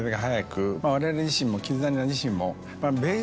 われわれ自身もキッザニア自身も。